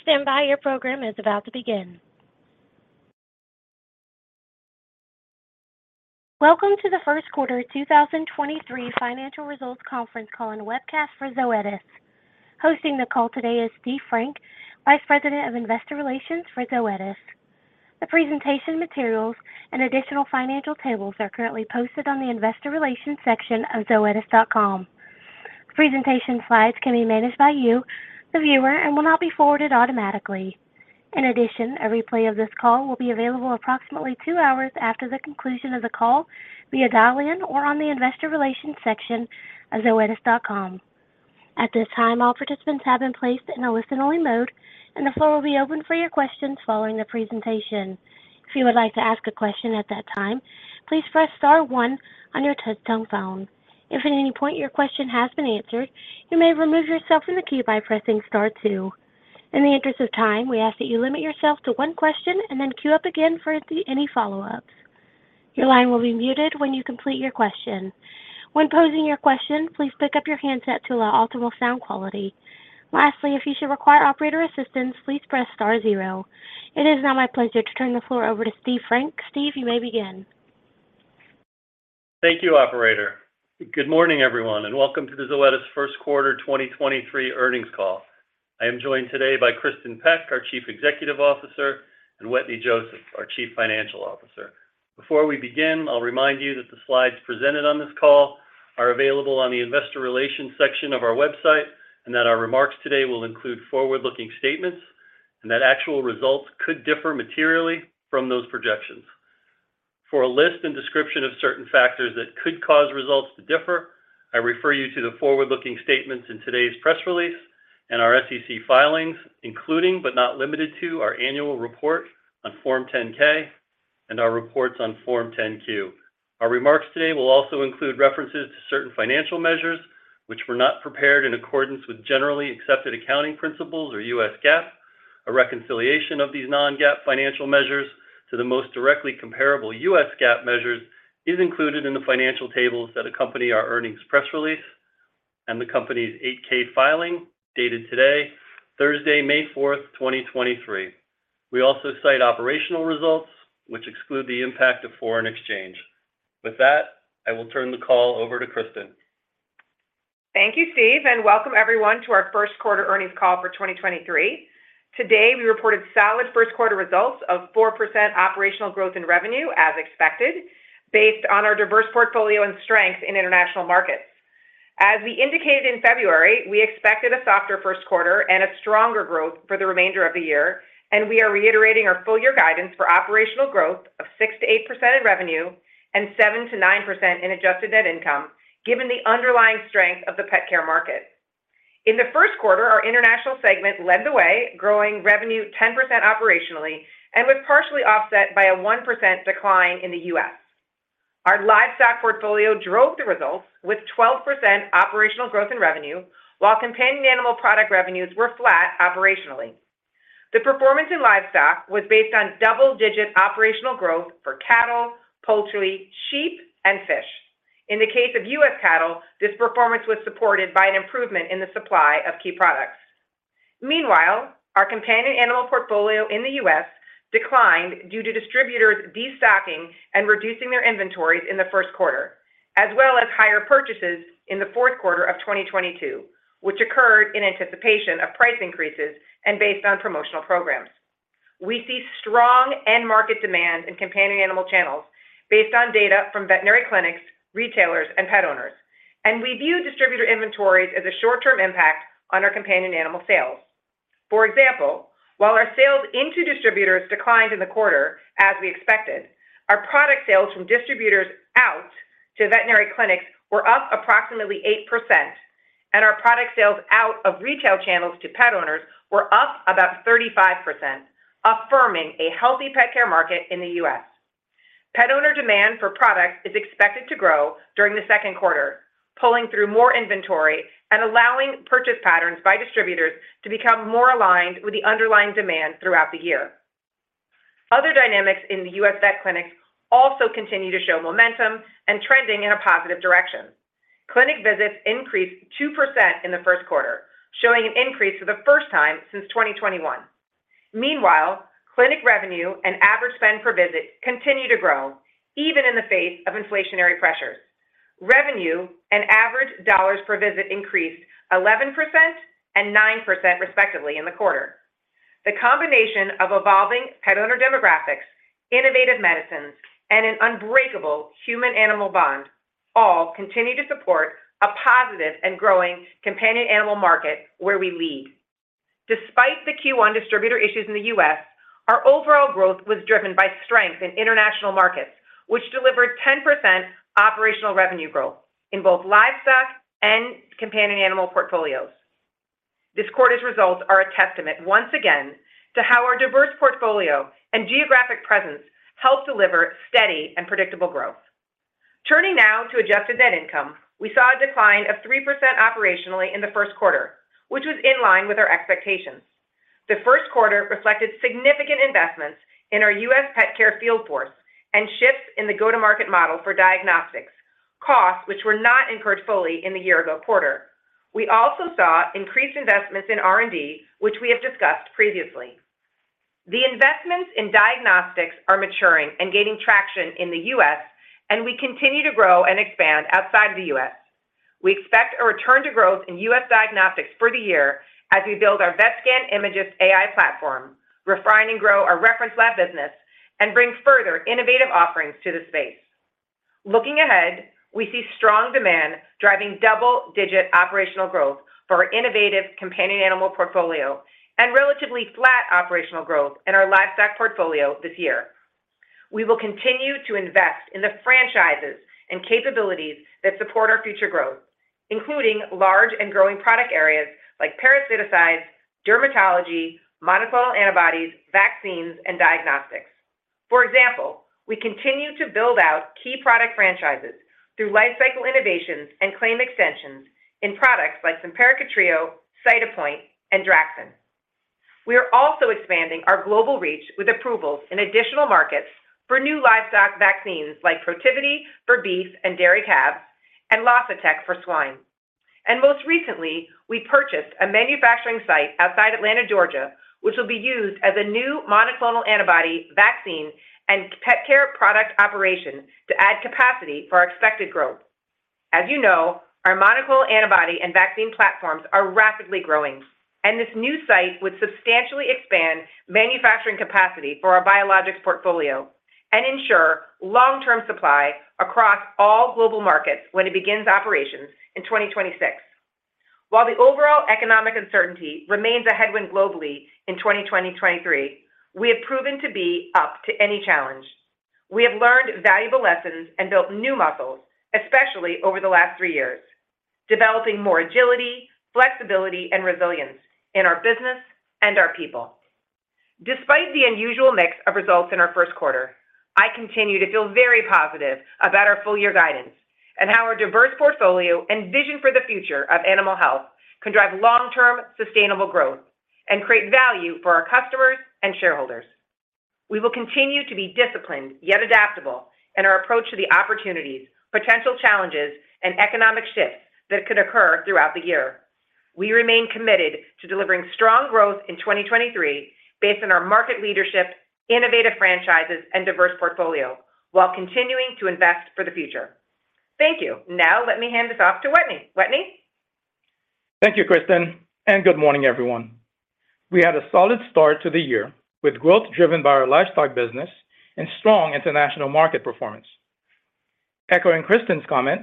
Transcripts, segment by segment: Please stand by. Your program is about to begin. Welcome to the first quarter 2023 financial results conference call and webcast for Zoetis. Hosting the call today is Steve Frank, Vice President of Investor Relations for Zoetis. The presentation materials and additional financial tables are currently posted on the investor relations section of zoetis.com. Presentation slides can be managed by you, the viewer, and will not be forwarded automatically. In addition, a replay of this call will be available approximately two hours after the conclusion of the call via dial-in or on the investor relations section of zoetis.com. At this time, all participants have been placed in a listen-only mode, and the floor will be open for your questions following the presentation. If you would like to ask a question at that time, please press star one on your touchtone phone. If at any point your question has been answered, you may remove yourself from the queue by pressing star two. In the interest of time, we ask that you limit yourself to one question and then queue up again for any follow-ups. Your line will be muted when you complete your question. When posing your question, please pick up your handset to allow optimal sound quality. Lastly, if you should require operator assistance, please press star zero. It is now my pleasure to turn the floor over to Steve Frank. Steve, you may begin. Thank you, operator. Good morning, everyone, and welcome to the Zoetis first quarter 2023 earnings call. I am joined today by Kristin Peck, our Chief Executive Officer, and Wetteny Joseph, our Chief Financial Officer. Before we begin, I'll remind you that the slides presented on this call are available on the investor relations section of our website, and that our remarks today will include forward-looking statements and that actual results could differ materially from those projections. For a list and description of certain factors that could cause results to differ, I refer you to the forward-looking statements in today's press release and our SEC filings, including, but not limited to our annual report on Form 10-K and our reports on Form 10-Q. Our remarks today will also include references to certain financial measures which were not prepared in accordance with generally accepted accounting principles or U.S. GAAP. A reconciliation of these non-GAAP financial measures to the most directly comparable U.S. GAAP measures is included in the financial tables that accompany our earnings press release and the company's 8-K filing dated today, Thursday, May 4th, 2023. We also cite operational results which exclude the impact of foreign exchange. With that, I will turn the call over to Kristin. Thank you, Steve, and welcome everyone to our first quarter earnings call for 2023. Today, we reported solid first quarter results of 4% operational growth in revenue as expected, based on our diverse portfolio and strength in international markets. As we indicated in February, we expected a softer first quarter and a stronger growth for the remainder of the year. We are reiterating our full year guidance for operational growth of 6%-8% in revenue and 7%-9% in adjusted net income, given the underlying strength of the pet care market. In the first quarter, our international segment led the way, growing revenue 10% operationally and was partially offset by a 1% decline in the U.S. Our livestock portfolio drove the results with 12% operational growth in revenue, while companion animal product revenues were flat operationally. The performance in livestock was based on double-digit operational growth for cattle, poultry, sheep, and fish. In the case of U.S. cattle, this performance was supported by an improvement in the supply of key products. Meanwhile, our companion animal portfolio in the U.S. declined due to distributors destocking and reducing their inventories in the first quarter, as well as higher purchases in the fourth quarter of 2022, which occurred in anticipation of price increases and based on promotional programs. We see strong end market demand in companion animal channels based on data from veterinary clinics, retailers, and pet owners. We view distributor inventories as a short-term impact on our companion animal sales. For example, while our sales into distributors declined in the quarter as we expected, our product sales from distributors out to veterinary clinics were up approximately 8%, and our product sales out of retail channels to pet owners were up about 35%, affirming a healthy pet care market in the U.S. Pet owner demand for products is expected to grow during the second quarter, pulling through more inventory and allowing purchase patterns by distributors to become more aligned with the underlying demand throughout the year. Other dynamics in the U.S. vet clinics also continue to show momentum and trending in a positive direction. Clinic visits increased 2% in the first quarter, showing an increase for the first time since 2021. Meanwhile, clinic revenue and average spend per visit continue to grow even in the face of inflationary pressures. Revenue and average dollars per visit increased 11% and 9% respectively in the quarter. The combination of evolving pet owner demographics, innovative medicines, and an unbreakable human-animal bond all continue to support a positive and growing companion animal market where we lead. Despite the Q1 distributor issues in the U.S., our overall growth was driven by strength in international markets, which delivered 10% operational revenue growth in both livestock and companion animal portfolios. This quarter's results are a testament once again to how our diverse portfolio and geographic presence help deliver steady and predictable growth. Turning now to adjusted net income, we saw a decline of 3% operationally in the first quarter, which was in line with our expectations. The first quarter reflected significant investments in our U.S. pet care field force and shifts in the go-to-market model for diagnostics costs which were not incurred fully in the year ago quarter. We also saw increased investments in R&D, which we have discussed previously. The investments in diagnostics are maturing and gaining traction in the U.S., and we continue to grow and expand outside the U.S. We expect a return to growth in U.S. diagnostics for the year as we build our VETSCAN images AI platform, refine and grow our reference lab business, and bring further innovative offerings to the space. Looking ahead, we see strong demand driving double-digit operational growth for our innovative companion animal portfolio and relatively flat operational growth in our livestock portfolio this year. We will continue to invest in the franchises and capabilities that support our future growth, including large and growing product areas like parasiticides, dermatology, monoclonal antibodies, vaccines, and diagnostics. For example, we continue to build out key product franchises through lifecycle innovations and claim extensions in products like Simparica Trio, Cytopoint, and Draxxin. We are also expanding our global reach with approvals in additional markets for new livestock vaccines like Protivity for beef and dairy calves and for swine. Most recently, we purchased a manufacturing site outside Atlanta, Georgia, which will be used as a new monoclonal antibody vaccine and pet care product operation to add capacity for our expected growth. As you know, our monoclonal antibody and vaccine platforms are rapidly growing, and this new site would substantially expand manufacturing capacity for our biologics portfolio and ensure long-term supply across all global markets when it begins operations in 2026. While the overall economic uncertainty remains a headwind globally in 2023, we have proven to be up to any challenge. We have learned valuable lessons and built new muscles, especially over the last three years, developing more agility, flexibility, and resilience in our business and our people. Despite the unusual mix of results in our first quarter, I continue to feel very positive about our full-year guidance and how our diverse portfolio and vision for the future of animal health can drive long-term sustainable growth and create value for our customers and shareholders. We will continue to be disciplined yet adaptable in our approach to the opportunities, potential challenges, and economic shifts that could occur throughout the year. We remain committed to delivering strong growth in 2023 based on our market leadership, innovative franchises, and diverse portfolio while continuing to invest for the future. Thank you. Now let me hand this off to Wetteny. Wetteny? Thank you, Kristin. Good morning, everyone. We had a solid start to the year with growth driven by our livestock business and strong international market performance. Echoing Kristin's comment,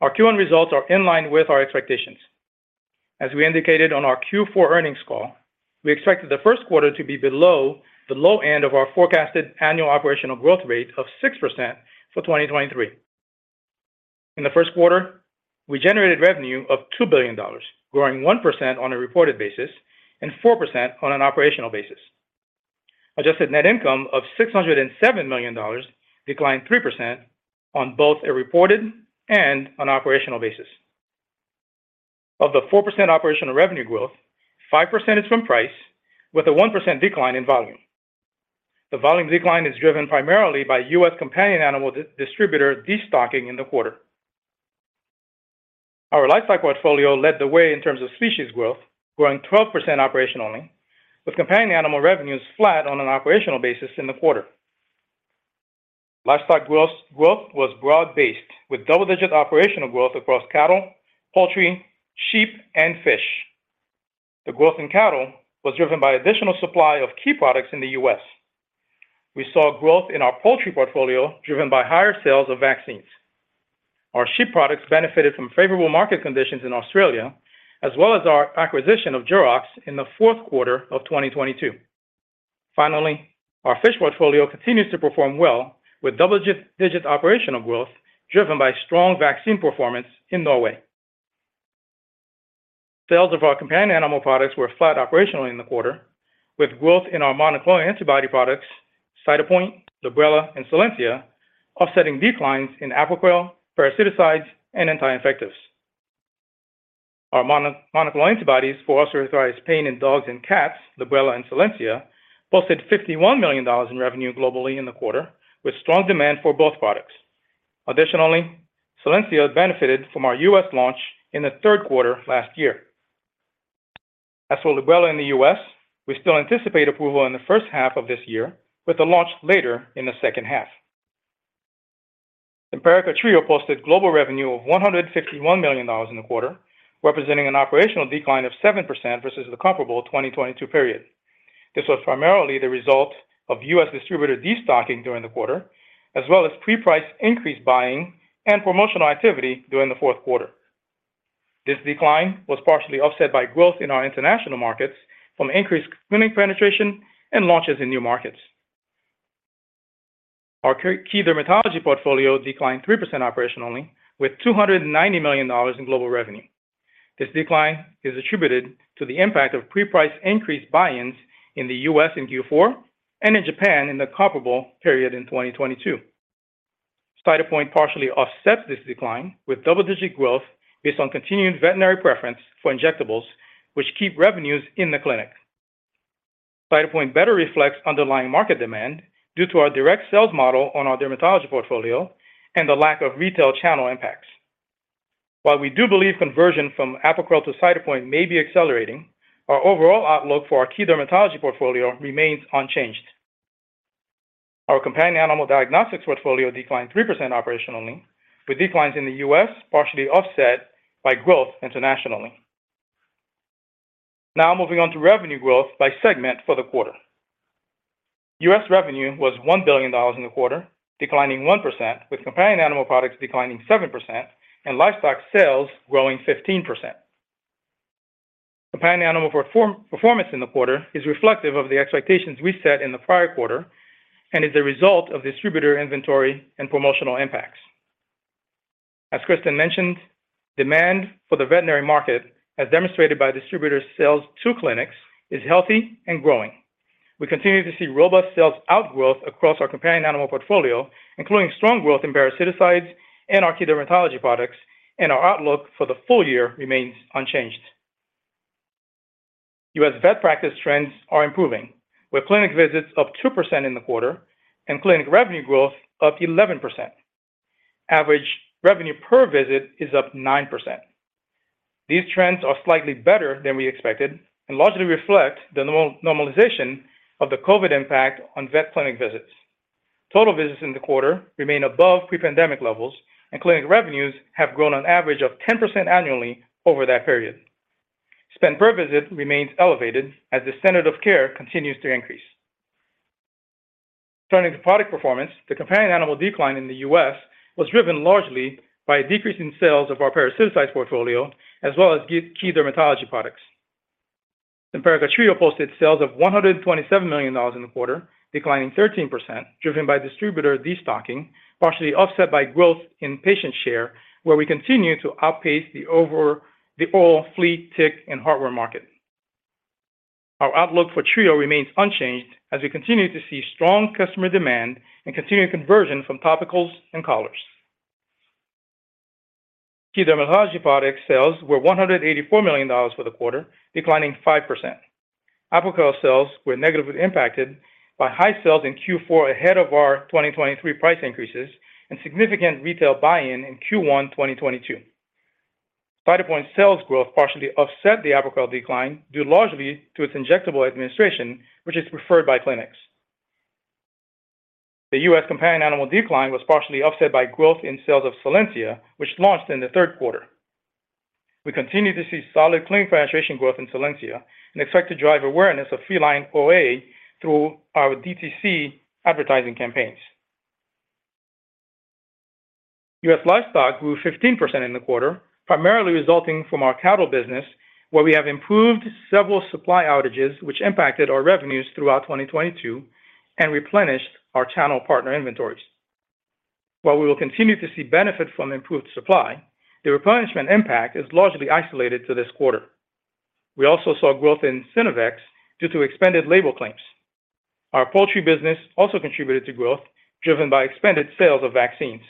our Q1 results are in line with our expectations. As we indicated on our Q4 earnings call, we expected the first quarter to be below the low end of our forecasted annual operational growth rate of 6% for 2023. In the first quarter, we generated revenue of $2 billion, growing 1% on a reported basis and 4% on an operational basis. Adjusted net income of $607 million declined 3% on both a reported and an operational basis. Of the 4% operational revenue growth, 5% is from price with a 1% decline in volume. The volume decline is driven primarily by U.S. companion animal distributor destocking in the quarter. Our livestock portfolio led the way in terms of species growth, growing 12% operationally, with companion animal revenues flat on an operational basis in the quarter. Livestock growth was broad-based with double-digit operational growth across cattle, poultry, sheep, and fish. The growth in cattle was driven by additional supply of key products in the U.S. We saw growth in our poultry portfolio driven by higher sales of vaccines. Our sheep products benefited from favorable market conditions in Australia, as well as our acquisition of Jurox in the fourth quarter of 2022. Finally, our fish portfolio continues to perform well with double-digit operational growth driven by strong vaccine performance in Norway. Sales of our companion animal products were flat operationally in the quarter with growth in our monoclonal antibody products, Cytopoint, Librela, and Solensia, offsetting declines in Apoquel, parasiticides, and anti-infectives. Our monoclonal antibodies for osteoarthritis pain in dogs and cats, Librela and Solensia, posted $51 million in revenue globally in the quarter with strong demand for both products. Additionally, Solensia benefited from our U.S. launch in the third quarter last year. For Librela in the U.S., we still anticipate approval in the first half of this year with a launch later in the second half. Simparica Trio posted global revenue of $151 million in the quarter, representing an operational decline of 7% versus the comparable 2022 period. This was primarily the result of U.S. distributor destocking during the quarter, as well as pre-priced increased buying and promotional activity during the fourth quarter. This decline was partially offset by growth in our international markets from increased clinic penetration and launches in new markets. Our key dermatology portfolio declined 3% operationally with $290 million in global revenue. This decline is attributed to the impact of pre-priced increased buy-ins in the U.S. in Q4 and in Japan in the comparable period in 2022. Cytopoint partially offsets this decline with double-digit growth based on continued veterinary preference for injectables which keep revenues in the clinic. Cytopoint better reflects underlying market demand due to our direct sales model on our dermatology portfolio and the lack of retail channel impacts. While we do believe conversion from Apoquel to Cytopoint may be accelerating, our overall outlook for our key dermatology portfolio remains unchanged. Our companion animal diagnostics portfolio declined 3% operationally, with declines in the U.S. partially offset by growth internationally. Moving on to revenue growth by segment for the quarter. U.S. revenue was $1 billion in the quarter, declining 1% with companion animal products declining 7% and livestock sales growing 15%. Companion animal performance in the quarter is reflective of the expectations we set in the prior quarter and is a result of distributor inventory and promotional impacts. As Kristin mentioned, demand for the veterinary market, as demonstrated by distributor sales to clinics, is healthy and growing. We continue to see robust sales outgrowth across our companion animal portfolio, including strong growth in parasiticides and our key dermatology products, and our outlook for the full year remains unchanged. U.S. vet practice trends are improving, with clinic visits up 2% in the quarter and clinic revenue growth up 11%. Average revenue per visit is up 9%. These trends are slightly better than we expected and largely reflect the normalization of the COVID impact on vet clinic visits. Total visits in the quarter remain above pre-pandemic levels. Clinic revenues have grown on average of 10% annually over that period. Spend per visit remains elevated as the standard of care continues to increase. Turning to product performance, the companion animal decline in the U.S. was driven largely by a decrease in sales of our parasiticides portfolio, as well as key dermatology products. Simparica Trio posted sales of $127 million in the quarter, declining 13%, driven by distributor destocking, partially offset by growth in patient share, where we continue to outpace the all flea, tick, and heartworm market. Our outlook for Trio remains unchanged as we continue to see strong customer demand and continued conversion from topicals and collars. Key dermatology product sales were $184 million for the quarter, declining 5%. Apoquel sales were negatively impacted by high sales in Q4 ahead of our 2023 price increases and significant retail buy-in in Q1 2022. Cytopoint sales growth partially offset the Apoquel decline, due largely to its injectable administration, which is preferred by clinics. The U.S. companion animal decline was partially offset by growth in sales of Solensia, which launched in the third quarter. We continue to see solid clinic penetration growth in Solensia and expect to drive awareness of feline OA through our DTC advertising campaigns. U.S. livestock grew 15% in the quarter, primarily resulting from our cattle business, where we have improved several supply outages which impacted our revenues throughout 2022 and replenished our channel partner inventories. While we will continue to see benefit from improved supply, the replenishment impact is largely isolated to this quarter. We also saw growth in Synovex due to expanded label claims. Our poultry business also contributed to growth driven by expanded sales of vaccines.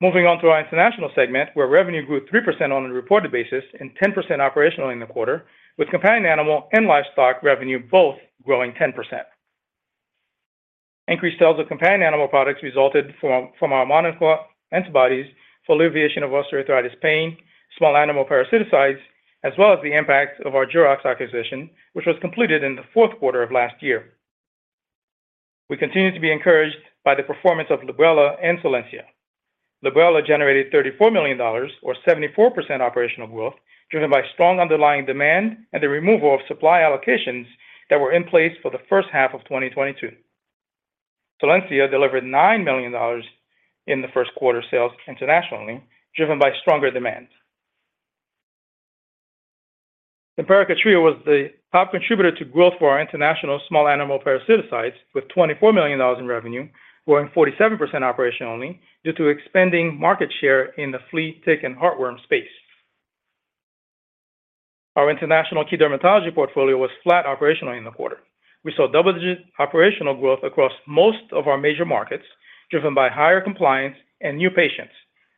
Moving on to our international segment, where revenue grew 3% on a reported basis and 10% operationally in the quarter, with companion animal and livestock revenue both growing 10%. Increased sales of companion animal products resulted from our monoclonal antibodies for alleviation of osteoarthritis pain, small animal parasiticides, as well as the impact of our Jurox acquisition, which was completed in the fourth quarter of last year. We continue to be encouraged by the performance of Librela and Solensia. Librela generated $34 million or 74% operational growth, driven by strong underlying demand and the removal of supply allocations that were in place for the first half of 2022. Solensia delivered $9 million in the first quarter sales internationally, driven by stronger demand. Simparica Trio was the top contributor to growth for our international small animal parasiticides, with $24 million in revenue, growing 47% operationally due to expanding market share in the flea, tick, and heartworm space. Our international key dermatology portfolio was flat operationally in the quarter. We saw double-digit operational growth across most of our major markets, driven by higher compliance and new patients.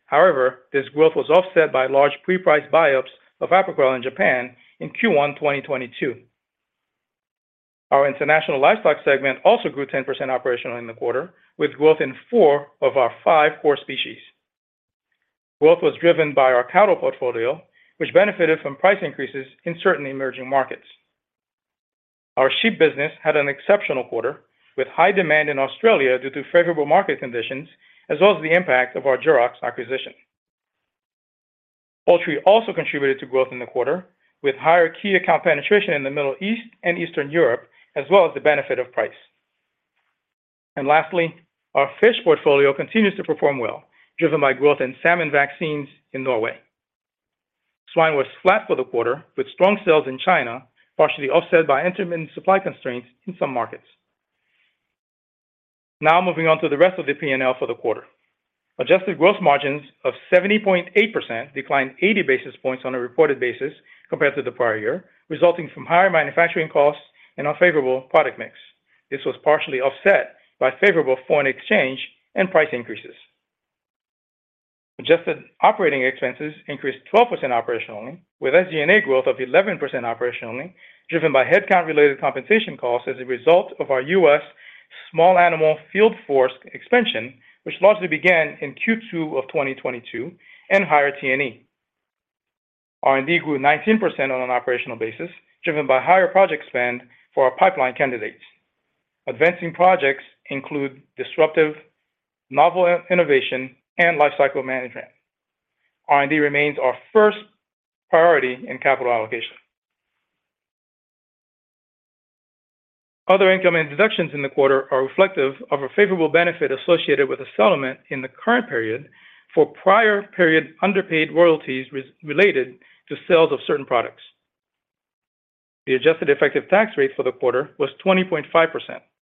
However, this growth was offset by large pre-priced buy-ups of Apoquel in Japan in Q1 2022. Our international livestock segment also grew 10% operationally in the quarter, with growth in four of our five core species. Growth was driven by our cattle portfolio, which benefited from price increases in certain emerging markets. Our sheep business had an exceptional quarter, with high demand in Australia due to favorable market conditions as well as the impact of our Jurox acquisition. Poultry also contributed to growth in the quarter, with higher key account penetration in the Middle East and Eastern Europe, as well as the benefit of price. Lastly, our fish portfolio continues to perform well, driven by growth in salmon vaccines in Norway. Swine was flat for the quarter, with strong sales in China, partially offset by intermittent supply constraints in some markets. Now moving on to the rest of the P&L for the quarter. Adjusted gross margins of 70.8% declined 80 basis points on a reported basis compared to the prior year, resulting from higher manufacturing costs and unfavorable product mix. This was partially offset by favorable foreign exchange and price increases. Adjusted operating expenses increased 12% operationally, with SG&A growth of 11% operationally, driven by headcount-related compensation costs as a result of our U.S. small animal field force expansion, which largely began in Q2 of 2022 and higher T&E. R&D grew 19% on an operational basis, driven by higher project spend for our pipeline candidates. Advancing projects include disruptive novel innovation and lifecycle management. R&D remains our first priority in capital allocation. Other income and deductions in the quarter are reflective of a favorable benefit associated with a settlement in the current period for prior period underpaid royalties related to sales of certain products. The adjusted effective tax rate for the quarter was 20.5%,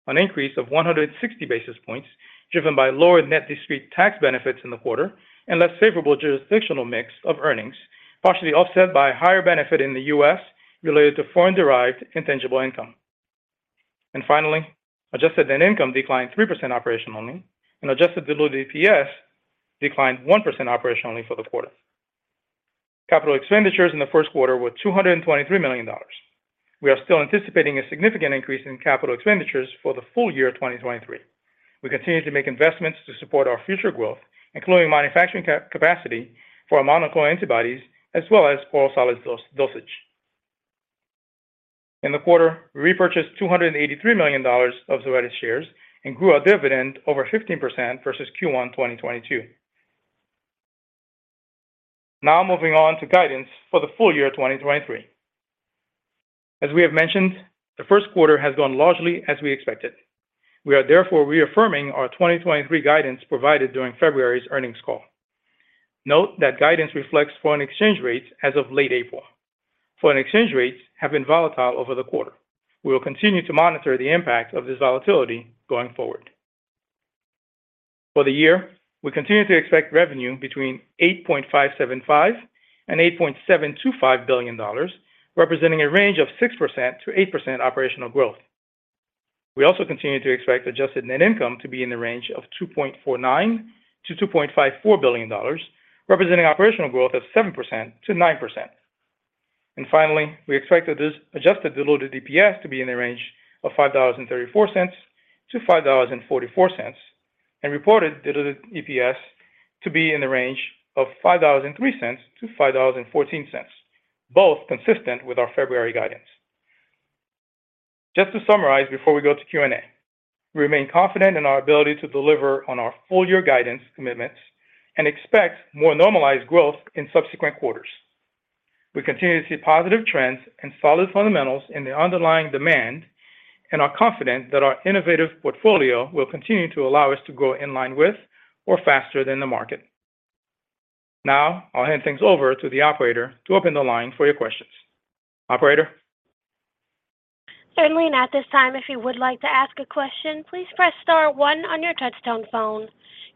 an increase of 160 basis points, driven by lower net discrete tax benefits in the quarter and less favorable jurisdictional mix of earnings, partially offset by higher benefit in the U.S. related to Foreign-Derived Intangible Income. Finally, adjusted net income declined 3% operationally, and adjusted diluted EPS declined 1% operationally for the quarter. Capital expenditures in the first quarter were $223 million. We are still anticipating a significant increase in capital expenditures for the full year 2023. We continue to make investments to support our future growth, including manufacturing capacity for monoclonal antibodies as well as oral solid dosage. In the quarter, we repurchased $283 million of Zoetis shares and grew our dividend over 15% versus Q1 2022. Moving on to guidance for the full year 2023. As we have mentioned, the first quarter has gone largely as we expected. We are therefore reaffirming our 2023 guidance provided during February's earnings call. Note that guidance reflects foreign exchange rates as of late April. Foreign exchange rates have been volatile over the quarter. We will continue to monitor the impact of this volatility going forward. For the year, we continue to expect revenue between $8.575 billion and $8.725 billion, representing a range of 6%-8% operational growth. We also continue to expect adjusted net income to be in the range of $2.49 billion-$2.54 billion, representing operational growth of 7%-9%. Finally, we expect adjusted diluted EPS to be in the range of $5.34-$5.44 and reported diluted EPS to be in the range of $5.03-$5.14, both consistent with our February guidance. Just to summarize before we go to Q&A, we remain confident in our ability to deliver on our full year guidance commitments and expect more normalized growth in subsequent quarters. We continue to see positive trends and solid fundamentals in the underlying demand and are confident that our innovative portfolio will continue to allow us to grow in line with or faster than the market. I'll hand things over to the operator to open the line for your questions. Operator? Certainly. At this time, if you would like to ask a question, please press star one on your touch-tone phone.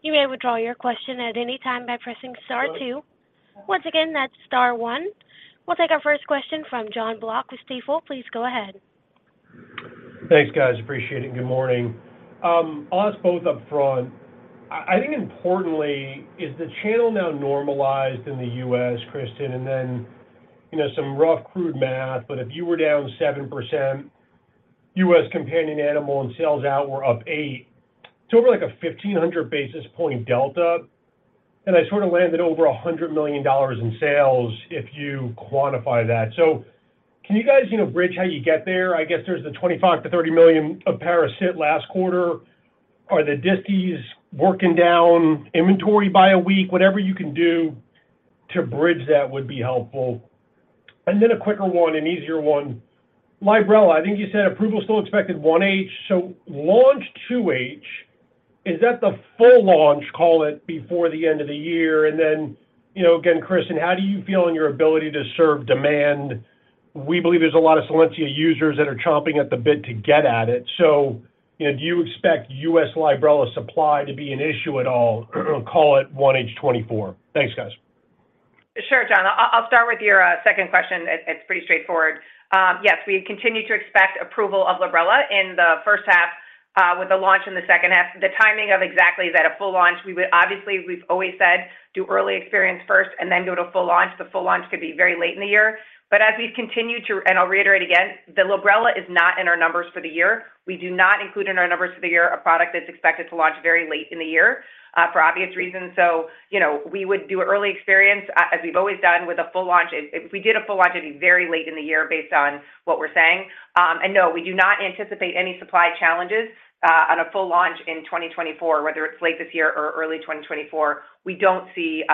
You may withdraw your question at any time by pressing star two. Once again, that's star one. We'll take our first question from Jon Block with Stifel. Please go ahead. Thanks, guys. Appreciate it. Good morning. I think importantly, is the channel now normalized in the U.S., Kristin Peck? You know, some rough crude math, but if you were down 7%, U.S. companion animal and sales out were up 8% to over like a 1,500 basis point delta, and I sort of landed over $100 million in sales if you quantify that. Can you guys, you know, bridge how you get there? I guess there's the $25 million-$30 million of parasiticides last quarter. Are the distis working down inventory by a week? Whatever you can do to bridge that would be helpful. A quicker one, an easier one. Librela, I think you said approval is still expected 1H. Launch 2H, is that the full launch, call it, before the end of the year? You know, again, Kristin, how do you feel in your ability to serve demand? We believe there's a lot of Solensia users that are chomping at the bit to get at it. You know, do you expect U.S. Librela supply to be an issue at all, call it, 1H 2024? Thanks, guys. Sure, Jon. I'll start with your second question. It's pretty straightforward. Yes, we continue to expect approval of Librela in the first half, with the launch in the second half. The timing of exactly that, a full launch, we would obviously, we've always said, do early experience first and then go to full launch. The full launch could be very late in the year. As we've continued to, and I'll reiterate again, the Librela is not in our numbers for the year. We do not include in our numbers for the year a product that's expected to launch very late in the year, for obvious reasons. You know, we would do early experience as we've always done with a full launch. If we did a full launch, it'd be very late in the year based on what we're saying. No, we do not anticipate any supply challenges on a full launch in 2024, whether it's late this year or early 2024. We don't see,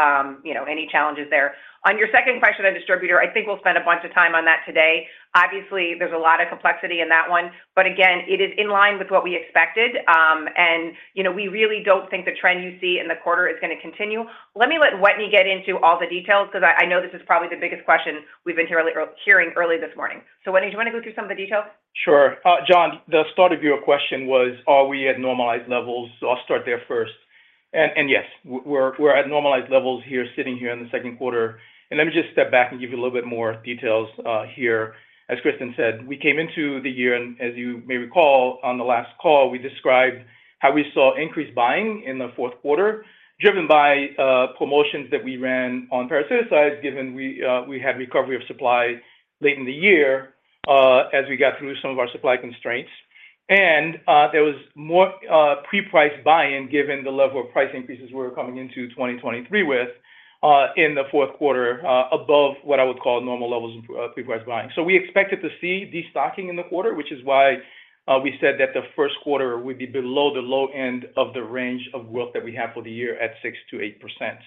you know, any challenges there. On your second question on distributor, I think we'll spend a bunch of time on that today. Obviously, there's a lot of complexity in that one. Again, it is in line with what we expected, and, you know, we really don't think the trend you see in the quarter is gonna continue. Let me let Wetteny get into all the details because I know this is probably the biggest question we've been hearing early this morning. Wetteny, do you want to go through some of the details? Sure. Jon, the start of your question was, are we at normalized levels? I'll start there first. Yes, we're at normalized levels here, sitting here in the second quarter. Let me just step back and give you a little bit more details here. As Kristin said, we came into the year, and as you may recall on the last call, we described how we saw increased buying in the fourth quarter driven by promotions that we ran on parasiticides, given we had recovery of supply late in the year as we got through some of our supply constraints. There was more pre-priced buy-in, given the level of price increases we were coming into 2023 with in the fourth quarter above what I would call normal levels of pre-priced buying. We expected to see destocking in the quarter, which is why we said that the first quarter would be below the low end of the range of growth that we have for the year at 6%-8%.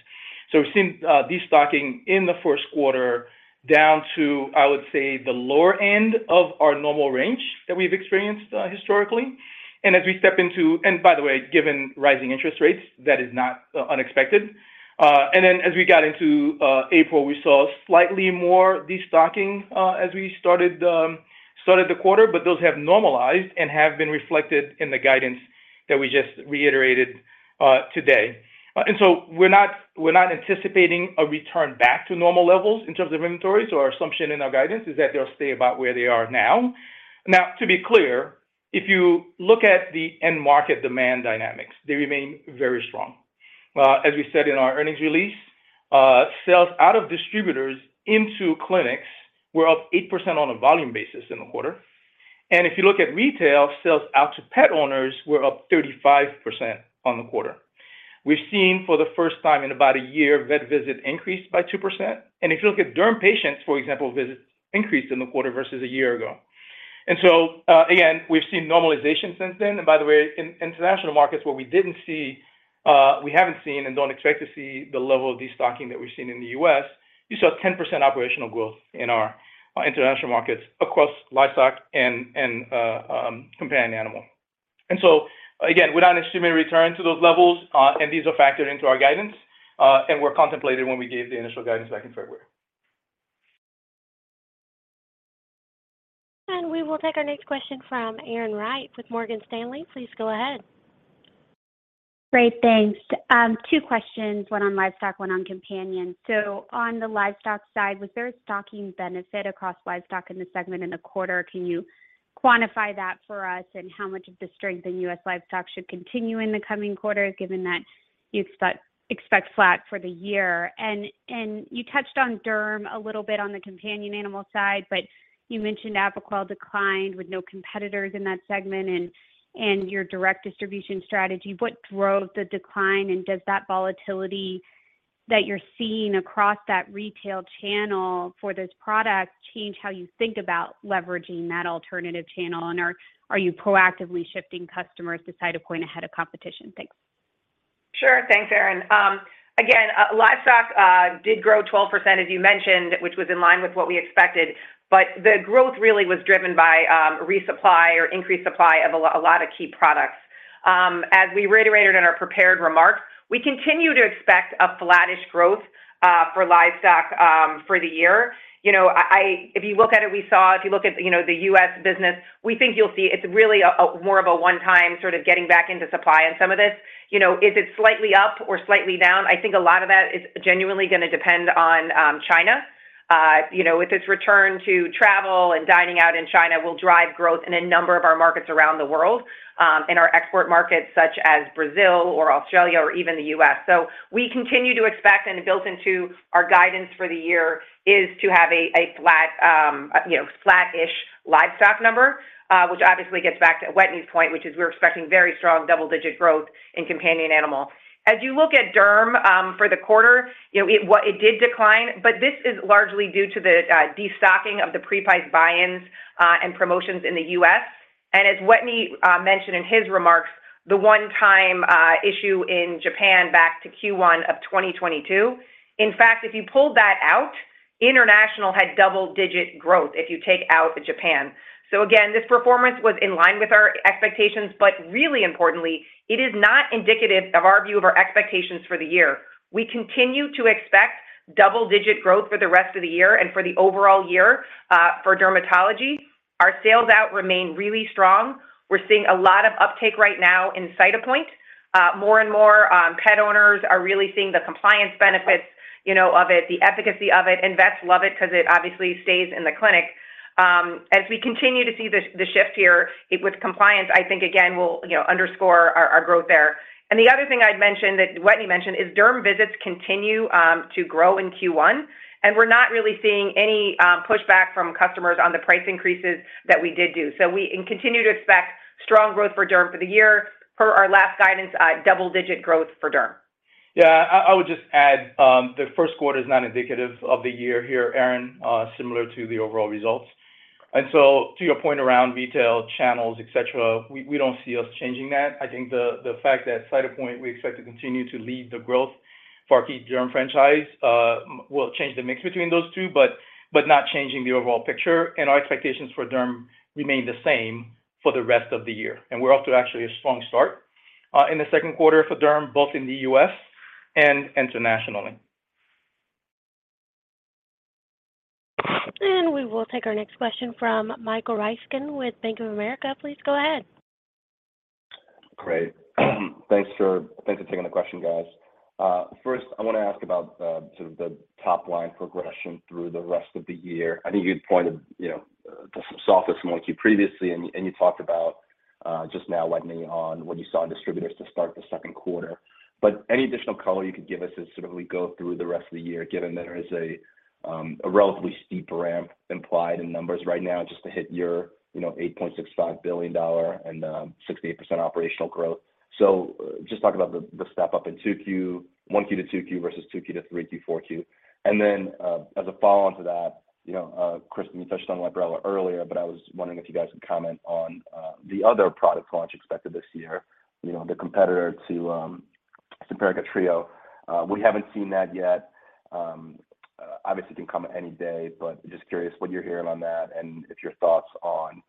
We've seen destocking in the first quarter down to, I would say, the lower end of our normal range that we've experienced historically. As we step into. By the way, given rising interest rates, that is not unexpected. As we got into April, we saw slightly more destocking as we started the quarter, but those have normalized and have been reflected in the guidance that we just reiterated today. We're not anticipating a return back to normal levels in terms of inventories. Our assumption in our guidance is that they'll stay about where they are now. To be clear, if you look at the end market demand dynamics, they remain very strong. As we said in our earnings release, sales out of distributors into clinics were up 8% on a volume basis in the quarter. If you look at retail, sales out to pet owners were up 35% on the quarter. We've seen for the first time in about a year, vet visit increased by 2%. If you look at derm patients, for example, visits increased in the quarter versus a year ago. Again, we've seen normalization since then. In international markets where we didn't see, we haven't seen and don't expect to see the level of destocking that we've seen in the U.S., you saw 10% operational growth in our international markets across livestock and companion animal. Again, we're not assuming a return to those levels, and these are factored into our guidance and were contemplated when we gave the initial guidance back in February. We will take our next question from Erin Wright with Morgan Stanley. Please go ahead. Great. Thanks. two questions, one on livestock, one on companion. On the livestock side, was there a stocking benefit across livestock in the segment in the quarter? Can you quantify that for us? How much of the strength in U.S. livestock should continue in the coming quarters, given that you expect flat for the year? You touched on derm a little bit on the companion animal side, but you mentioned Apoquel declined with no competitors in that segment and your direct distribution strategy. What drove the decline? Does that volatility that you're seeing across that retail channel for those products change how you think about leveraging that alternative channel? Are you proactively shifting customers to Cytopoint ahead of competition? Thanks. Sure. Thanks, Erin. Again, livestock did grow 12%, as you mentioned, which was in line with what we expected. The growth really was driven by resupply or increased supply of a lot of key products. As we reiterated in our prepared remarks, we continue to expect a flattish growth for livestock for the year. You know, If you look at it, If you look at, you know, the U.S. business, we think you'll see it's really a more of a one-time sort of getting back into supply in some of this. You know, is it slightly up or slightly down? I think a lot of that is genuinely gonna depend on China. You know, with its return to travel and dining out in China will drive growth in a number of our markets around the world, in our export markets such as Brazil or Australia or even the U.S. We continue to expect and built into our guidance for the year is to have a flat, you know, flattish livestock number, which obviously gets back to Wetteny's point, which is we're expecting very strong double-digit growth in companion animal. As you look at derm, for the quarter, you know, what it did decline, but this is largely due to the destocking of the pre-priced buy-ins and promotions in the U.S. As Wetteny mentioned in his remarks, the one-time issue in Japan back to Q1 of 2022. In fact, if you pulled that out, international had double-digit growth if you take out Japan. Again, this performance was in line with our expectations, but really importantly, it is not indicative of our view of our expectations for the year. We continue to expect double-digit growth for the rest of the year and for the overall year for dermatology. Our sales out remain really strong. We're seeing a lot of uptake right now in Cytopoint. More and more, pet owners are really seeing the compliance benefits, you know, of it, the efficacy of it, and vets love it because it obviously stays in the clinic. As we continue to see the shift here with compliance, I think, again, we'll, you know, underscore our growth there. The other thing I'd mention that Wetteny mentioned is derm visits continue to grow in Q1, and we're not really seeing any pushback from customers on the price increases that we did do. We continue to expect strong growth for derm for the year, per our last guidance, double-digit growth for derm. Yeah. I would just add, the first quarter is not indicative of the year here, Erin, similar to the overall results. So to your point around retail channels, et cetera, we don't see us changing that. I think the fact that Cytopoint we expect to continue to lead the growth for our key derm franchise, will change the mix between those two, but not changing the overall picture. Our expectations for derm remain the same for the rest of the year. We're off to actually a strong start, in the second quarter for derm, both in the U.S. and internationally. We will take our next question from Michael Ryskin with Bank of America. Please go ahead. Great. Thanks for taking the question, guys. First I wanna ask about the, sort of the top line progression through the rest of the year. I think you'd pointed, you know, to some softness in 1Q previously, and you talked about just now, Wetteny, on what you saw in distributors to start the second quarter. Any additional color you could give us as sort of we go through the rest of the year, given there is a relatively steep ramp implied in numbers right now just to hit your, you know, $8.65 billion and 68% operational growth. Just talk about the step up in 2Q, 1Q to 2Q versus 2Q to 3Q, 4Q. As a follow-on to that, you know, Kristin, you touched on Librela earlier, but I was wondering if you guys could comment on the other product launch expected this year, you know, the competitor to Simparica Trio. We haven't seen that yet. Obviously it can come any day, but just curious what you're hearing on that and if your thoughts on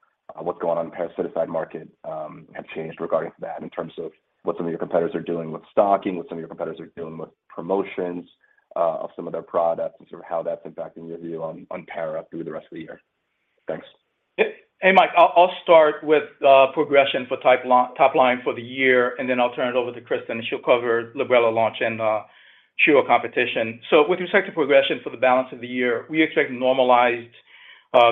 what's going on in the parasiticide market have changed regarding that in terms of what some of your competitors are doing with stocking, what some of your competitors are doing with promotions of some of their products and sort of how that's impacting your view on Para through the rest of the year. Thanks. Hey, Mike. I'll start with progression for top line for the year, then I'll turn it over to Kristin, and she'll cover Librela launch and Trio competition. With respect to progression for the balance of the year, we expect normalized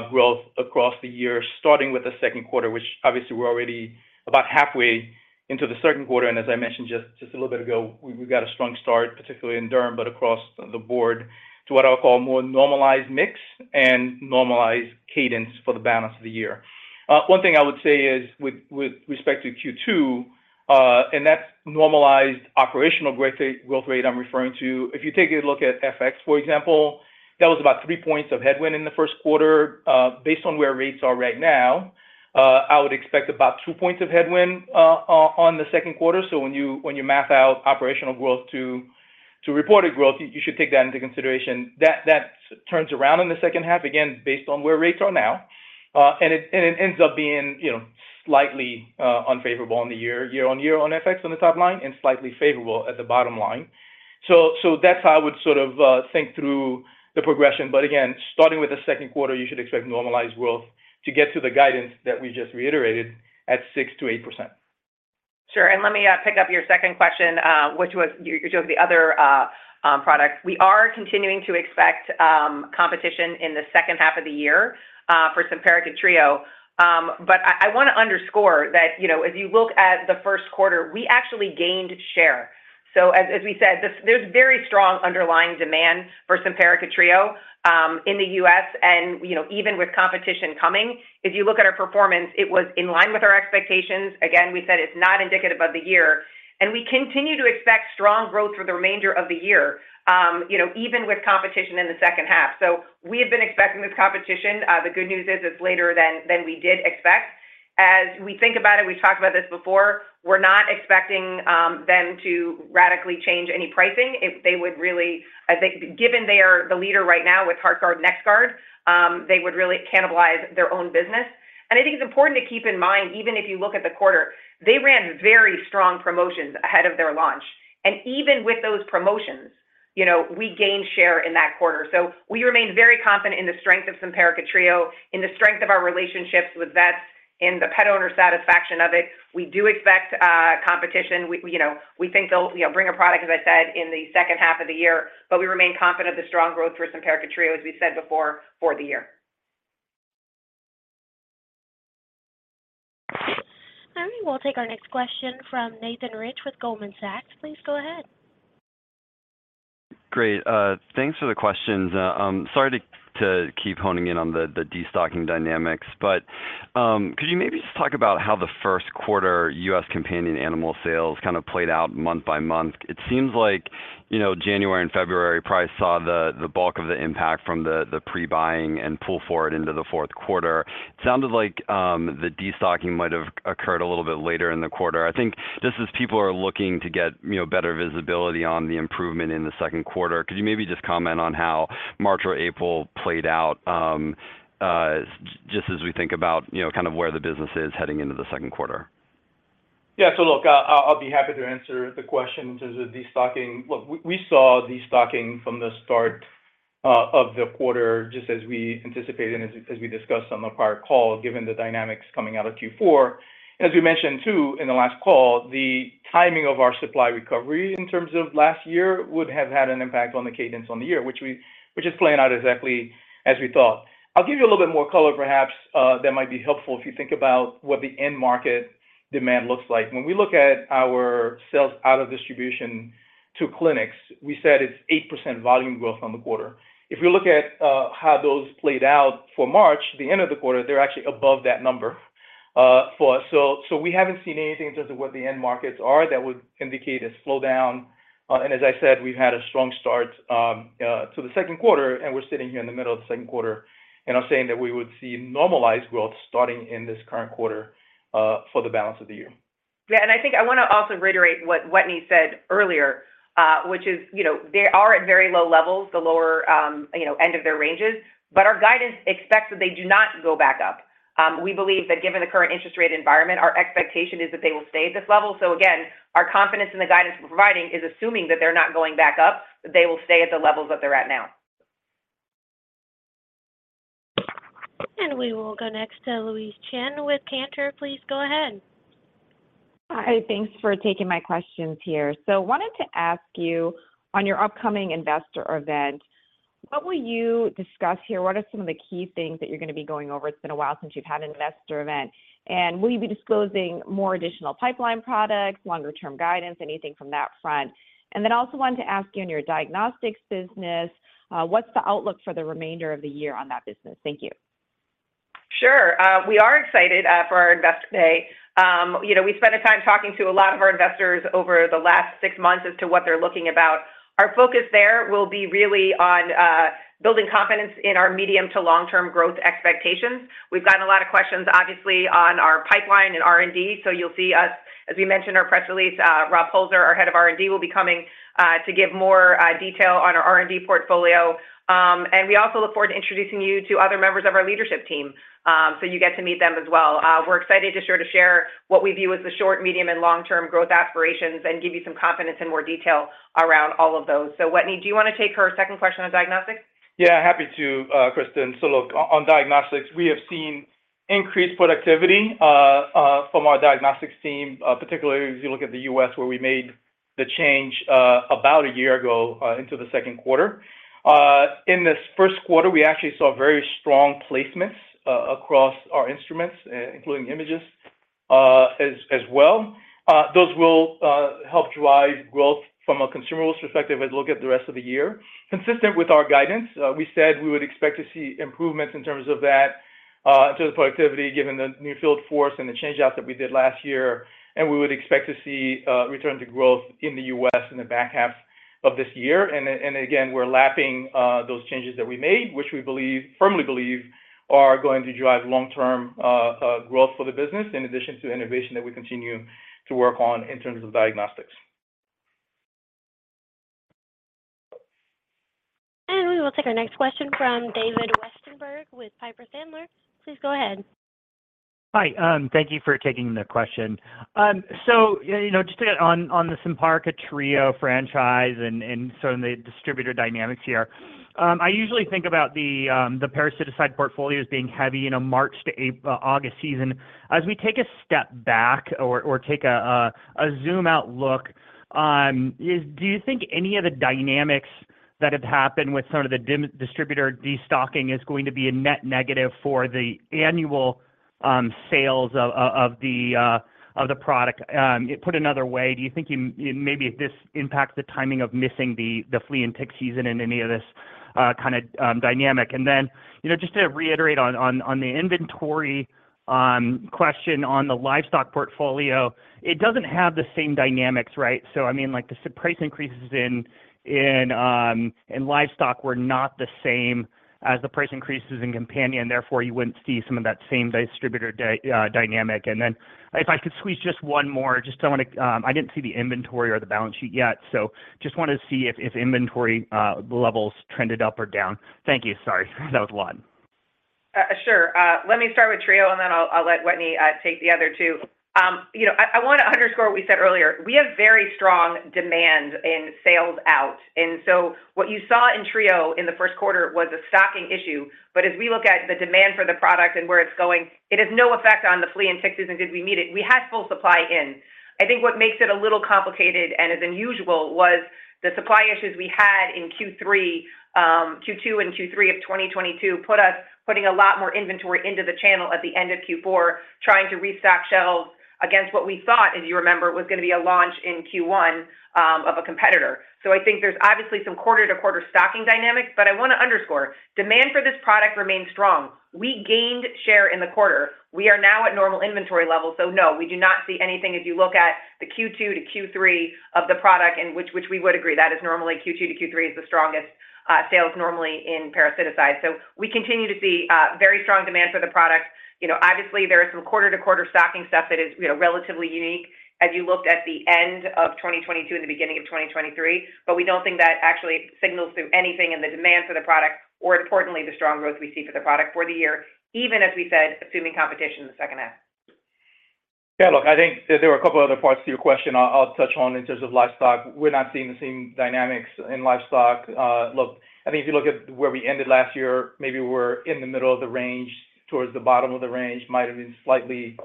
growth across the year, starting with the second quarter, which obviously we're already about halfway into the second quarter. As I mentioned just a little bit ago, we got a strong start, particularly in Derm, but across the board to what I'll call more normalized mix and normalized cadence for the balance of the year. One thing I would say is with respect to Q2, and that's normalized operational growth rate I'm referring to, if you take a look at FX, for example, that was about three points of headwind in the first quarter. Based on where rates are right now, I would expect about two points of headwind on the second quarter. When you math out operational growth to reported growth, you should take that into consideration. That turns around in the second half, again, based on where rates are now. And it ends up being, you know, slightly only favorable on the year on year on FX on the top line and slightly favorable at the bottom line. That's how I would sort of think through the progression. But again, starting with the second quarter, you should expect normalized growth to get to the guidance that we just reiterated at 6%-8%. Sure. Let me pick up your second question, which was your take on the other products. We are continuing to expect competition in the second half of the year for Simparica Trio. I wanna underscore that, you know, as you look at the first quarter, we actually gained share. As we said, there's very strong underlying demand for Simparica Trio in the U.S. You know, even with competition coming, if you look at our performance, it was in line with our expectations. Again, we said it's not indicative of the year, and we continue to expect strong growth for the remainder of the year, you know, even with competition in the second half. We have been expecting this competition. The good news is it's later than we did expect. As we think about it, we've talked about this before, we're not expecting them to radically change any pricing. If they would really, I think given they are the leader right now with Heartgard/NexGard, they would really cannibalize their own business. I think it's important to keep in mind, even if you look at the quarter, they ran very strong promotions ahead of their launch. Even with those promotions, you know, we gained share in that quarter. We remain very confident in the strength of Simparica Trio, in the strength of our relationships with vets, in the pet owner satisfaction of it. We do expect competition. We, you know, we think they'll, you know, bring a product, as I said, in the second half of the year. We remain confident of the strong growth for Simparica Trio, as we said before, for the year. All right. We'll take our next question from Nathan Rich with Goldman Sachs. Please go ahead. Great. Thanks for the questions. Sorry to keep honing in on the destocking dynamics, but could you maybe just talk about how the first quarter U.S. companion animal sales kind of played out month by month? It seems like, you know, January and February probably saw the bulk of the impact from the pre-buying and pull forward into the fourth quarter. It sounded like the destocking might have occurred a little bit later in the quarter. I think just as people are looking to get, you know, better visibility on the improvement in the second quarter, could you maybe just comment on how March or April played out, just as we think about, you know, kind of where the business is heading into the second quarter? Yeah. Look, I'll be happy to answer the question in terms of destocking. Look, we saw destocking from the start of the quarter, just as we anticipated and as we discussed on the prior call, given the dynamics coming out of Q4. As we mentioned, too, in the last call, the timing of our supply recovery in terms of last year would have had an impact on the cadence on the year, which is playing out exactly as we thought. I'll give you a little bit more color, perhaps, that might be helpful if you think about what the end market demand looks like. When we look at our sales out of distribution to clinics, we said it's 8% volume growth on the quarter. If you look at how those played out for March, the end of the quarter, they're actually above that number for us. We haven't seen anything in terms of what the end markets are that would indicate a slowdown. As I said, we've had a strong start to the second quarter, and we're sitting here in the middle of the second quarter, and I'm saying that we would see normalized growth starting in this current quarter for the balance of the year. Yeah. I think I wanna also reiterate what Wetteny said earlier, which is, you know, they are at very low levels, the lower, you know, end of their ranges, but our guidance expects that they do not go back up. We believe that given the current interest rate environment, our expectation is that they will stay at this level. Again, our confidence in the guidance we're providing is assuming that they're not going back up, that they will stay at the levels that they're at now. We will go next to Louise Chen with Cantor Fitzgerald. Please go ahead. Hi. Thanks for taking my questions here. Wanted to ask you on your upcoming Investor Day, what will you discuss here? What are some of the key things that you're gonna be going over? It's been a while since you've had an Investor Day. Will you be disclosing more additional pipeline products, longer-term guidance, anything from that front? Also wanted to ask you, in your diagnostics business, what's the outlook for the remainder of the year on that business? Thank you. Sure. We are excited for our Investor Day. You know, we spent the time talking to a lot of our investors over the last six months as to what they're looking about. Our focus there will be really on building confidence in our medium to long-term growth expectations. We've gotten a lot of questions, obviously, on our pipeline and R&D. You'll see us, as we mentioned in our press release, Rob Polzer, our head of R&D, will be coming to give more detail on our R&D portfolio. We also look forward to introducing you to other members of our leadership team, so you get to meet them as well. We're excited to share what we view as the short, medium, and long-term growth aspirations and give you some confidence and more detail around all of those. Wetteny, do you wanna take her second question on diagnostics? Yeah, happy to, Kristin. Look, on diagnostics, we have seen increased productivity from our diagnostics team, particularly as you look at the U.S., where we made the change about a year ago into the second quarter. In this first quarter, we actually saw very strong placements across our instruments including IMAGYST as well. Those will help drive growth from a consumables perspective as look at the rest of the year. Consistent with our guidance, we said we would expect to see improvements in terms of that in terms of productivity, given the new field force and the change-out that we did last year, and we would expect to see a return to growth in the U.S. in the back half of this year. Again, we're lapping those changes that we made, which we believe, firmly believe are going to drive long-term growth for the business, in addition to innovation that we continue to work on in terms of diagnostics. We will take our next question from David Westenberg with Piper Sandler. Please go ahead. Hi. Thank you for taking the question. You know, just to get on the Simparica Trio franchise and some of the distributor dynamics here, I usually think about the parasitic portfolio as being heavy in a March to August season. As we take a step back or take a zoom-out look, do you think any of the dynamics that have happened with some of the distributor destocking is going to be a net negative for the annual sales of the product? Put another way, do you think maybe this impacts the timing of missing the flea and tick season in any of this kind of dynamic? You know, just to reiterate on the inventory question on the livestock portfolio, it doesn't have the same dynamics, right? I mean, like, the price increases in livestock were not the same as the price increases in companion, therefore you wouldn't see some of that same distributor dynamic. If I could squeeze just one more, just I wanna. I didn't see the inventory or the balance sheet yet, so just wanted to see if inventory levels trended up or down. Thank you. Sorry, that was a lot. Sure. Let me start with Trio, and then I'll let Wetteny take the other two. You know, I wanna underscore what we said earlier. We have very strong demand and sales out. What you saw in Trio in the first quarter was a stocking issue, but as we look at the demand for the product and where it's going, it has no effect on the flea and tick season and did we meet it? We had full supply in. I think what makes it a little complicated and is unusual was the supply issues we had in Q3, Q2 and Q3 of 2022 putting a lot more inventory into the channel at the end of Q4, trying to restock shelves against what we thought, as you remember, was gonna be a launch in Q1 of a competitor. I think there's obviously some quarter-to-quarter stocking dynamics, but I wanna underscore, demand for this product remains strong. We gained share in the quarter. We are now at normal inventory levels, so no, we do not see anything as you look at the Q2 to Q3 of the product and which we would agree. That is normally Q2 to Q3 is the strongest sales normally in parasiticides. We continue to see very strong demand for the product. You know, obviously there is some quarter-to-quarter stocking stuff that is, you know, relatively unique as you looked at the end of 2022 and the beginning of 2023, but we don't think that actually signals to anything in the demand for the product or importantly, the strong growth we see for the product for the year, even, as we said, assuming competition in the second half. Yeah. Look, I think there were a couple other parts to your question I'll touch on in terms of livestock. We're not seeing the same dynamics in livestock. Look, I think if you look at where we ended last year, maybe we're in the middle of the range, towards the bottom of the range. Might have been slightly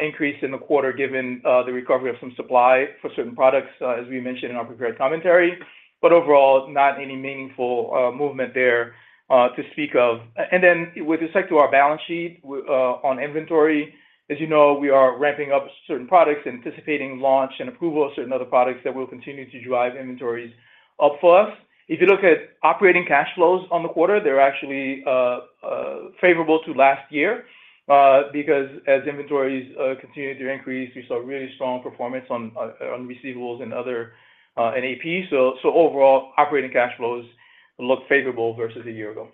increased in the quarter given the recovery of some supply for certain products, as we mentioned in our prepared commentary. Overall, not any meaningful movement there to speak of. And then with respect to our balance sheet on inventory, as you know, we are ramping up certain products, anticipating launch and approval of certain other products that will continue to drive inventories up for us. If you look at operating cash flows on the quarter, they're actually favorable to last year, because as inventories continue to increase, we saw really strong performance on on receivables and other NAP. Overall, operating cash flows look favorable versus a year ago.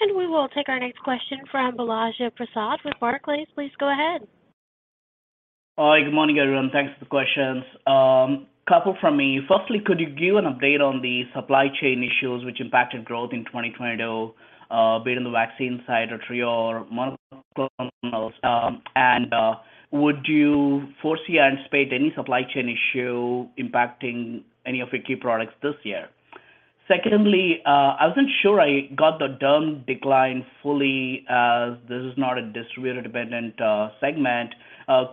We will take our next question from Balaji Prasad with Barclays. Please go ahead. Hi, good morning, everyone. Thanks for the questions. Couple from me. Firstly, could you give an update on the supply chain issues which impacted growth in 2022, be it on the vaccine side or through your monoclonals? And would you foresee or anticipate any supply chain issue impacting any of your key products this year? Secondly, I wasn't sure I got the derm decline fully, this is not a distributor-dependent segment.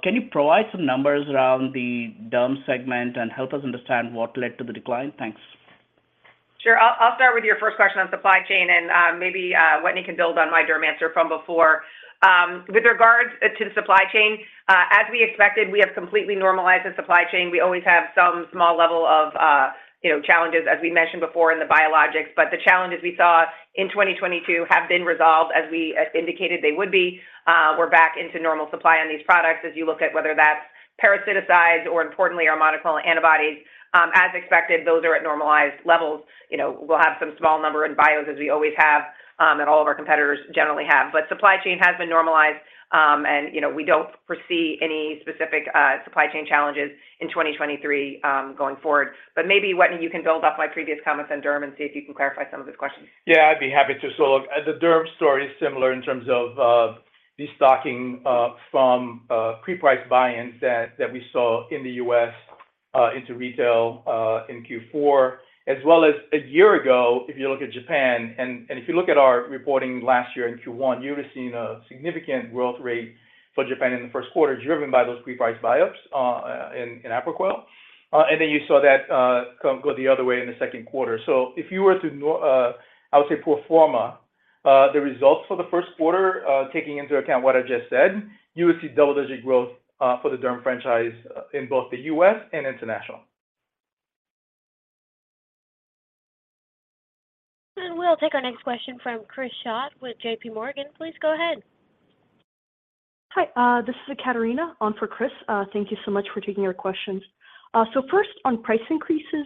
Can you provide some numbers around the derm segment and help us understand what led to the decline? Thanks. Sure. I'll start with your first question on supply chain and maybe Wetteny can build on my derm answer from before. With regards to the supply chain, as we expected, we have completely normalized the supply chain. We always have some small level of, you know, challenges, as we mentioned before, in the biologics. The challenges we saw in 2022 have been resolved as we indicated they would be. We're back into normal supply on these products as you look at whether that's parasiticides or importantly our monoclonal antibodies. As expected, those are at normalized levels. You know, we'll have some small number in bios as we always have, and all of our competitors generally have. Supply chain has been normalized, and you know, we don't foresee any specific supply chain challenges in 2023 going forward. Maybe, Wetteny, you can build off my previous comments on derm and see if you can clarify some of those questions. Yeah, I'd be happy to. Look, the derm story is similar in terms of destocking from pre-priced buy-ins that we saw in the U.S. into retail in Q4. As well as a year ago, if you look at Japan and if you look at our reporting last year in Q1, you would've seen a significant growth rate for Japan in the first quarter driven by those pre-priced buy-ups in Apoquel. Then you saw that kind of go the other way in the second quarter. If you were to I would say pro forma the results for the first quarter, taking into account what I just said, you would see double-digit growth for the derm franchise in both the U.S. and international. We'll take our next question from Chris Schott with JPMorgan. Please go ahead. Hi, this is Katerina on for Chris. Thank you so much for taking our questions. First on price increases,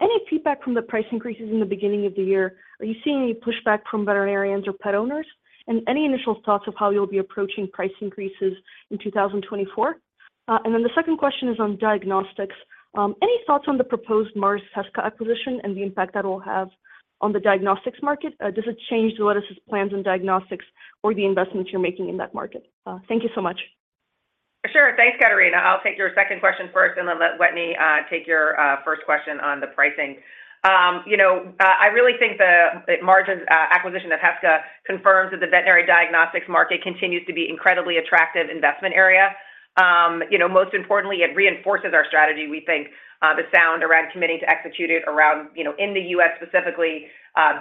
any feedback from the price increases in the beginning of the year? Are you seeing any pushback from veterinarians or pet owners? Any initial thoughts of how you'll be approaching price increases in 2024? The second question is on diagnostics. Any thoughts on the proposed Mars Heska acquisition and the impact that will have on the diagnostics market? Does it change Zoetis' plans in diagnostics or the investments you're making in that market? Thank you so much. Sure. Thanks, Katerina. I'll take your second question first and then let Wetteny take your first question on the pricing. You know, I really think the margins acquisition of Heska confirms that the veterinary diagnostics market continues to be incredibly attractive investment area. You know, most importantly, it reinforces our strategy. We think the sound around committing to execute it around, you know, in the U.S. specifically,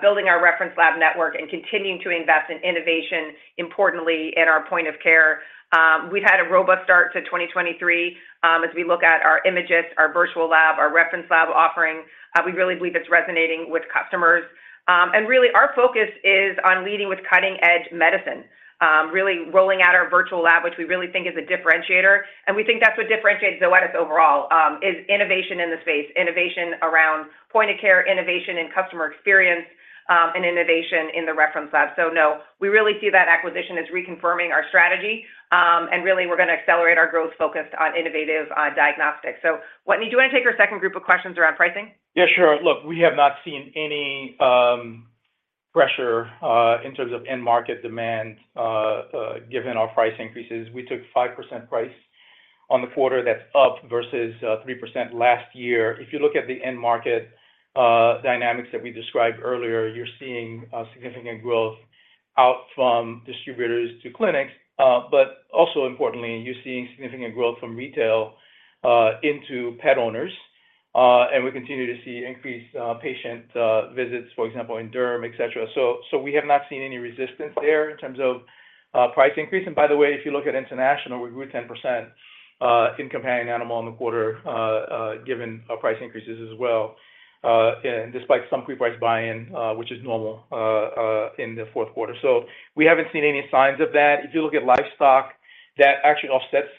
building our reference lab network and continuing to invest in innovation, importantly in our point of care. We've had a robust start to 2023, as we look at our IMAGYST, our Virtual Laboratory, our reference lab offering. We really believe it's resonating with customers. Really our focus is on leading with cutting-edge medicine. Really rolling out our Virtual Laboratory, which we really think is a differentiator. We think that's what differentiates Zoetis overall, is innovation in the space, innovation around point of care, innovation in customer experience, and innovation in the reference lab. No, we really see that acquisition as reconfirming our strategy, and really we're gonna accelerate our growth focused on innovative diagnostics. Wetteny, do you wanna take our second group of questions around pricing? Yeah, sure. Look, we have not seen any pressure in terms of end market demand given our price increases. We took 5% price on the quarter. That's up versus 3% last year. If you look at the end market dynamics that we described earlier, you're seeing significant growth out from distributors to clinics. Also importantly, you're seeing significant growth from retail into pet owners. We continue to see increased patient visits, for example, in derm, et cetera. We have not seen any resistance there in terms of price increase. By the way, if you look at international, we grew 10% in companion animal in the quarter given our price increases as well. Despite some pre-priced buy-in, which is normal, in the fourth quarter. We haven't seen any signs of that. If you look at livestock, that actually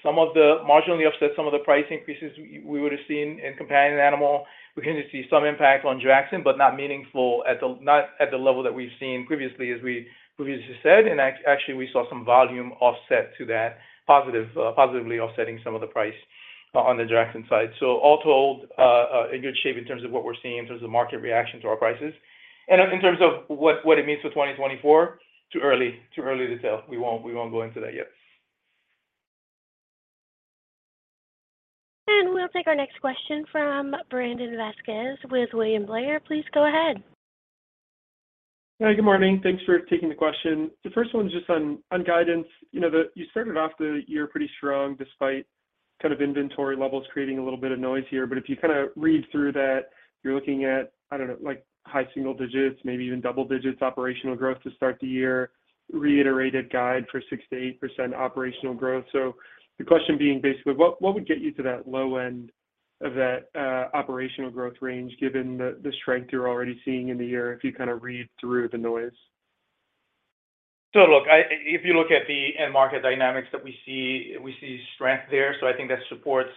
marginally offsets some of the price increases we would've seen in companion animal. We continue to see some impact on Jackson, but not meaningful at the level that we've seen previously as we previously said. Actually, we saw some volume offset to that positive, positively offsetting some of the price on the Jackson side. All told, in good shape in terms of what we're seeing in terms of market reaction to our prices. In terms of what it means for 2024, too early to tell. We won't go into that yet. We'll take our next question from Brandon Vazquez with William Blair. Please go ahead. Hi, good morning. Thanks for taking the question. The first one is just on guidance. You know, you started off the year pretty strong despite kind of inventory levels creating a little bit of noise here. But if you kind of read through that, you're looking at, I don't know, like high single digits, maybe even double digits operational growth to start the year. Reiterated guide for 6%-8% operational growth. The question being basically what would get you to that low end of that operational growth range given the strength you're already seeing in the year, if you kind of read through the noise? If you look at the end market dynamics that we see, we see strength there. I think that supports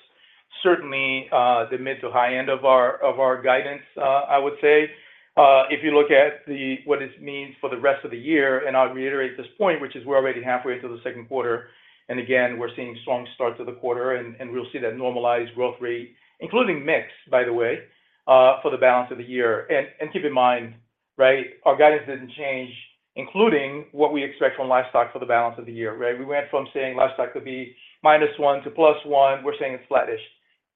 certainly the mid to high end of our guidance, I would say. If you look at what this means for the rest of the year, I'll reiterate this point, which is we're already halfway through the second quarter, again, we're seeing strong starts of the quarter, and we'll see that normalized growth rate, including mix, by the way, for the balance of the year. Keep in mind, right, our guidance didn't change, including what we expect from livestock for the balance of the year, right? We went from saying livestock could be -1% to +1%. We're saying it's flattish.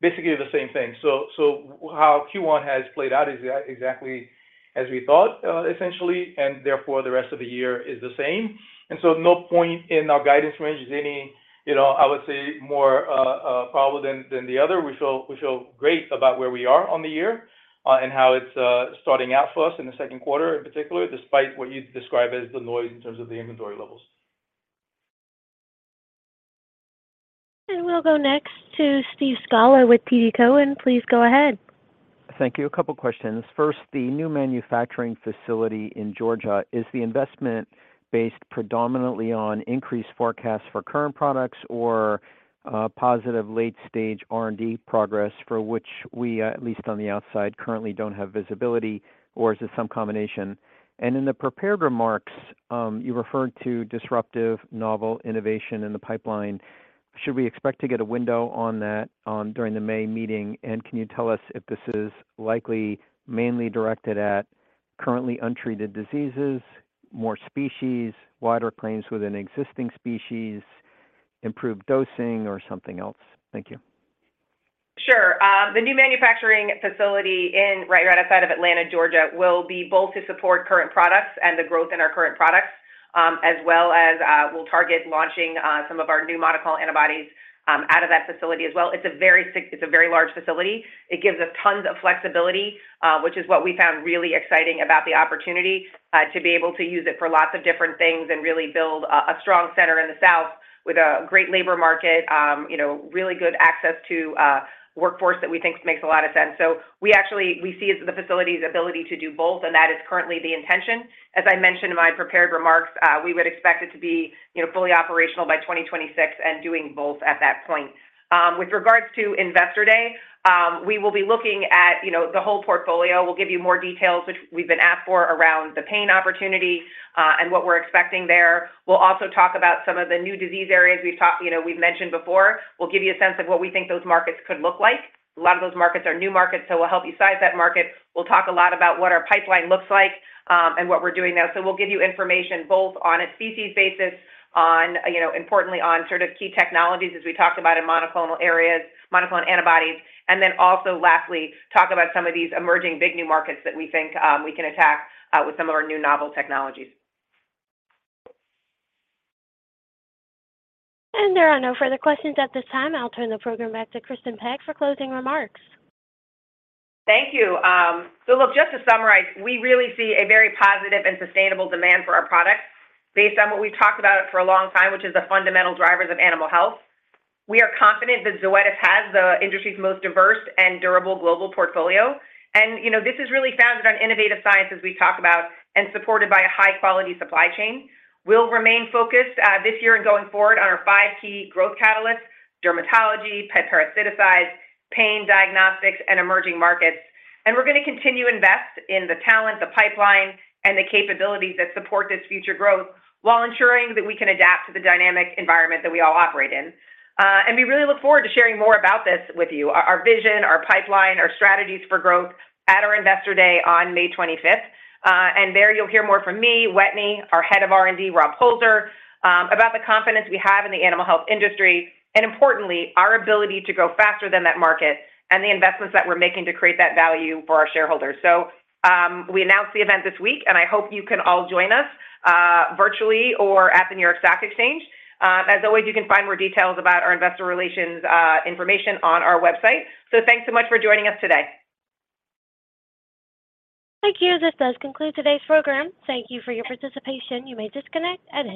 Basically the same thing. Q1 has played out exactly as we thought, essentially, and therefore, the rest of the year is the same. At no point in our guidance range is any, you know, I would say more probable than the other. We feel great about where we are on the year, and how it's starting out for us in the second quarter in particular, despite what you'd describe as the noise in terms of the inventory levels. We'll go next to Steve Scala with TD Cowen. Please go ahead. Thank you. A couple questions. First, the new manufacturing facility in Georgia, is the investment based predominantly on increased forecasts for current products or positive late-stage R&D progress for which we, at least on the outside, currently don't have visibility, or is it some combination? In the prepared remarks, you referred to disruptive novel innovation in the pipeline. Should we expect to get a window on that during the May meeting? Can you tell us if this is likely mainly directed at currently untreated diseases, more species, wider claims within existing species, improved dosing, or something else? Thank you. Sure. The new manufacturing facility right outside of Atlanta, Georgia, will be both to support current products and the growth in our current products, as well as we'll target launching some of our new monoclonal antibodies out of that facility as well. It's a very large facility. It gives us tons of flexibility, which is what we found really exciting about the opportunity to be able to use it for lots of different things and really build a strong center in the South with a great labor market, you know, really good access to workforce that we think makes a lot of sense. We see it as the facility's ability to do both, and that is currently the intention. As I mentioned in my prepared remarks, we would expect it to be, you know, fully operational by 2026 and doing both at that point. With regards to Investor Day, we will be looking at, you know, the whole portfolio. We'll give you more details, which we've been asked for around the pain opportunity, and what we're expecting there. We'll also talk about some of the new disease areas we've talked, you know, we've mentioned before. We'll give you a sense of what we think those markets could look like. A lot of those markets are new markets, we'll help you size that market. We'll talk a lot about what our pipeline looks like, and what we're doing now. We'll give you information both on a species basis, on, you know, importantly on sort of key technologies as we talked about in monoclonal areas, monoclonal antibodies, and then also lastly, talk about some of these emerging big new markets that we think, we can attack, with some of our new novel technologies. There are no further questions at this time. I'll turn the program back to Kristin Peck for closing remarks. Thank you. Look, just to summarize, we really see a very positive and sustainable demand for our products based on what we've talked about for a long time, which is the fundamental drivers of animal health. We are confident that Zoetis has the industry's most diverse and durable global portfolio. You know, this is really founded on innovative science, as we've talked about, and supported by a high-quality supply chain. We'll remain focused this year and going forward on our five key growth catalysts: dermatology, pet parasiticides, pain, diagnostics, and emerging markets. We're gonna continue to invest in the talent, the pipeline, and the capabilities that support this future growth while ensuring that we can adapt to the dynamic environment that we all operate in. We really look forward to sharing more about this with you, our vision, our pipeline, our strategies for growth at our Investor Day on May 25th. There you'll hear more from me, Wetteny, our head of R&D, Rob Polzer, about the confidence we have in the animal health industry, and importantly, our ability to grow faster than that market and the investments that we're making to create that value for our shareholders. We announced the event this week, and I hope you can all join us virtually or at the New York Stock Exchange. As always, you can find more details about our investor relations information on our website. Thanks so much for joining us today. Thank you. This does conclude today's program. Thank you for your participation. You may disconnect at any time.